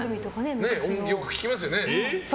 よく聞きますよね。